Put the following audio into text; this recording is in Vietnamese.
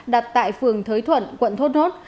đặt tại phường thới thuận quận thôn nốt